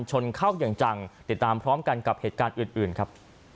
ชนเข้าอย่างจังติดตามพร้อมกันกับเหตุการณ์อื่นครับ